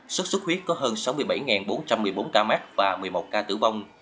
xuất xuất huyết có hơn sáu mươi bảy bốn trăm một mươi bốn ca mắc và một mươi một ca tử vong